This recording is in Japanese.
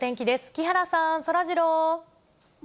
木原さん、そらジロー。